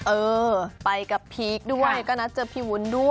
เออไปกับพีคด้วยก็นัดเจอพี่วุ้นด้วย